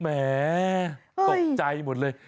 แหมตกใจหมดเลย